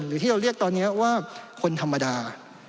หรือที่เราเรียกตอนนี้ว่าคนธรรมดา